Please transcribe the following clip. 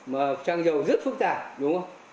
mà xăng dầu rất phúc tạp đúng không